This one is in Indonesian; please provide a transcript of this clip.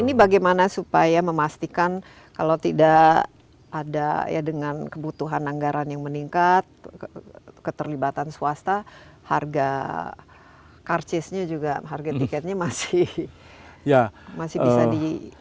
ini bagaimana supaya memastikan kalau tidak ada ya dengan kebutuhan anggaran yang meningkat keterlibatan swasta harga karcisnya juga harga tiketnya masih bisa di